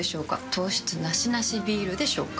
糖質ナシナシビールでしょうか？